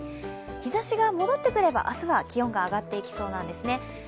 日ざしが戻ってくれば明日は気温が上がっていきそうなんですね。